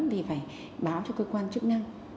thì phải báo cho cơ quan chức năng